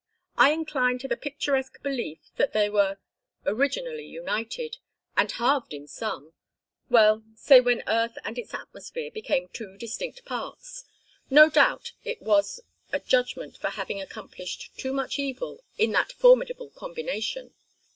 I incline to the picturesque belief that they were originally united, and halved in some well, say when Earth and its atmosphere became two distinct parts. No doubt it was a judgment for having accomplished too much evil in that formidable combination.